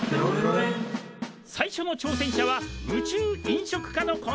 最初の挑戦者は宇宙飲食科のこの２人！